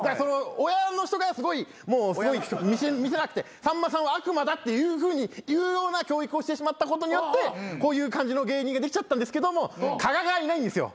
親の人がすごいもう見せなくてさんまさんは悪魔だっていうような教育をしてしまったことによってこういう感じの芸人ができちゃったんですけども加賀がいないんですよ。